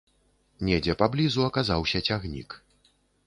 Недзе паблізу аказаўся цягнік.